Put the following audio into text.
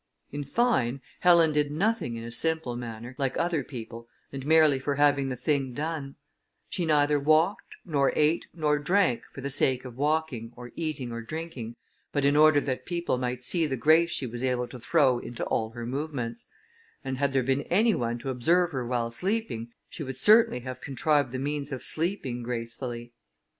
In fine, Helen did nothing in a simple manner, like other people, and merely for having the thing done; she neither walked, nor ate, nor drank, for the sake of walking, or eating, or drinking, but in order that people might see the grace she was able to throw into all her movements; and had there been any one to observe her while sleeping, she would certainly have contrived the means of sleeping gracefully.